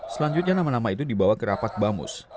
selanjutnya nama nama itu dibawa ke rapat bamus